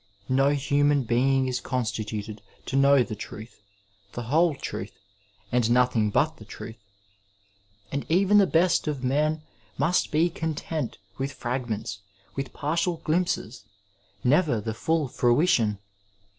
No human being is constituted to know the truth, the whole truth, and nothing but the truth ; and even the best of men must be content with fragments, with partial glimpses, never the full fruition.